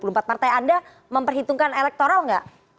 martai anda memperhitungkan elektoral enggak